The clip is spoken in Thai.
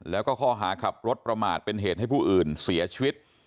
แล้วก็ข้อหาขับรถประมาทเป็นเหตุให้ผู้อื่นเสียชีวิต